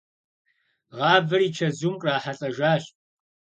Гъавэр и чэзум кърахьэлӀэжащ.